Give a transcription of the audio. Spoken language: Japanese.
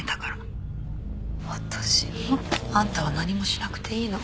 私は。あんたは何もしなくていいの。